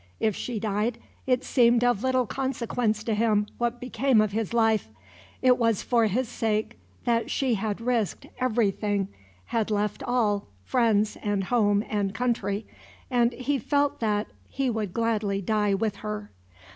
If she died, it seemed of little consequence to him what became of his life. It was for his sake that she had risked everything, had left all friends and home and country and he felt that he would gladly die with her.